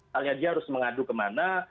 misalnya dia harus mengadu kemana